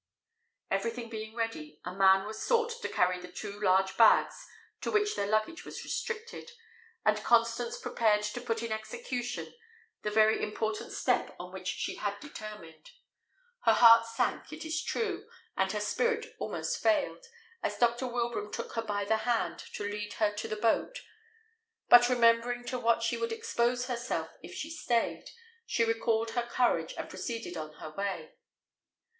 Everything being ready, a man was sought to carry the two large bags to which their luggage was restricted; and Constance prepared to put in execution the very important step on which she had determined. Her heart sank, it is true, and her spirit almost failed, as Dr. Wilbraham took her by the hand to lead her to the boat; but remembering to what she would expose herself if she staid, she recalled her courage and proceeded on her way.